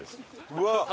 うわっ！